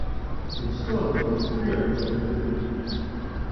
Le score n'évolue plus avant le repos.